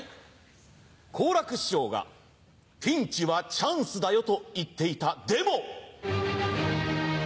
好楽師匠がピンチはチャンスだよと言っていたでも！